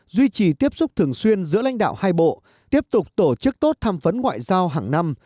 duy trì tiếp xúc thường xuyên giữa lãnh đạo hai bộ tiếp tục tổ chức tốt tham vấn ngoại giao hàng năm